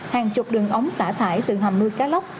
hàng chục đường ống xả thải từ hầm nuôi cá lóc